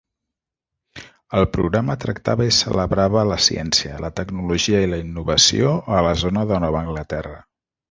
El programa tractava i celebrava la ciència, la tecnologia i la innovació a la zona de Nova Anglaterra.